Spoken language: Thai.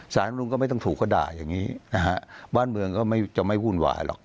สารธรรมนุนก็ไม่ต้องถูกก็ด่าอย่างนี้นะฮะบ้านเมืองก็จะไม่วุ่นวายหรอก